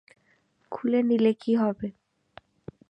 খুলে নিলে কী হবে?